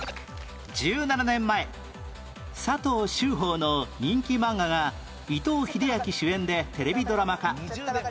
１７年前佐藤秀峰の人気漫画が伊藤英明主演でテレビドラマ化